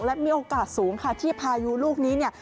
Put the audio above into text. และมีโอกาสสูงค่ะที่พายุลูกนี้เนี่ย